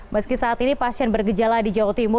meski saat ini pasien bergejala di jawa timur